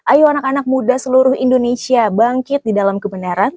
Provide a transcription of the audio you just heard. ayo anak anak muda seluruh indonesia bangkit di dalam kebenaran